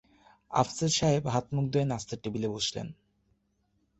আফসার সাহেব হাত-মুখ ধুয়ে নাশতার টেবিলে বসলেন।